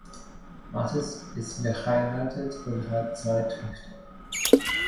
Mattes ist verheiratet und hat zwei Töchter.